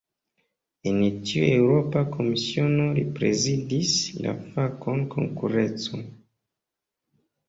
En tiu Eŭropa Komisiono, li prezidis la fakon "konkurenco".